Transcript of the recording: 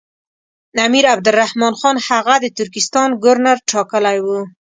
امیر عبدالرحمن خان هغه د ترکستان ګورنر ټاکلی وو.